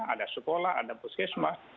ada sekolah ada puskesmas